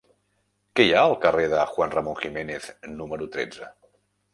Què hi ha al carrer de Juan Ramón Jiménez número tretze?